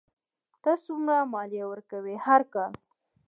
ته څومره مالیه ورکوې هر کال؟